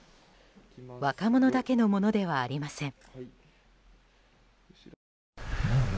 若者だけのものではありません。